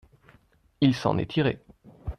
Il s’en est tiré.